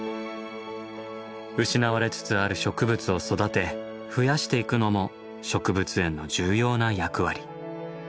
失われつつある植物を育て増やしていくのも植物園の重要な役割。